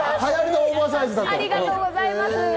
ありがとうございます。